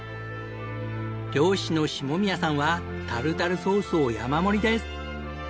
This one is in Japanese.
漁師の下宮さんはタルタルソースを山盛りです！